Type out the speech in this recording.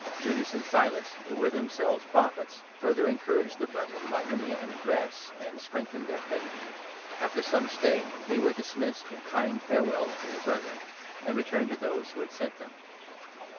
Judas and Silas, 32 who were themselves Prophets, further encouraged the Brethren by many an address, and strengthened their faith. After some stay, they were dismissed with kind farewells from 33 the Brethren, and returned to those who had sent them.